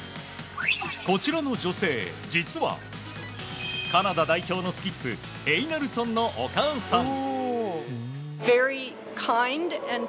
こちらの女性、実はカナダ代表のスキップエイナルソンのお母さん。